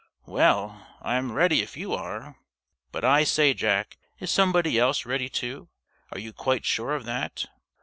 "Well, I'm ready, if you are. But, I say, Jack, is somebody else ready, too? Are you quite sure of that?"